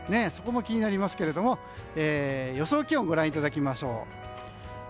そこも気になりますが予想気温をご覧いただきましょう。